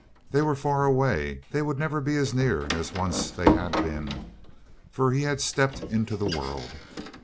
They were far away; they would never be as near as once they had been, for he had stepped into the world.